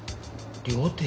料亭？